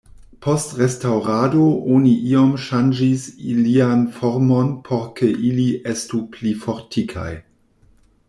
Post restaŭrado oni iom ŝanĝis ilian formon por ke ili estu pli fortikaj.